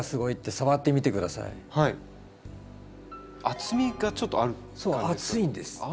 厚みがちょっとある感じですか？